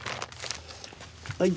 はい。